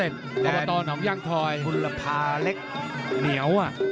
โอ้โหแข่งซ้าย